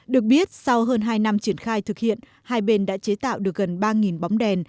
được biết sau hơn hai năm triển khai thực hiện hai bên đã chế tạo được gần ba bóng đèn